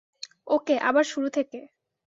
ওকে, আবার শুরু থেকে।